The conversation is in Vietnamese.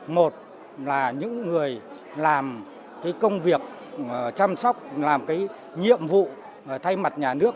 một là những người làm công việc chăm sóc làm nhiệm vụ thay mặt nhà nước